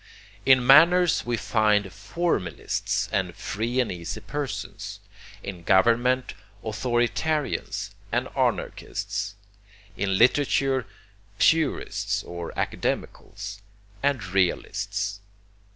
In manners we find formalists and free and easy persons. In government, authoritarians and anarchists. In literature, purists or academicals, and realists.